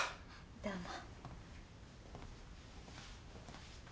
どうも。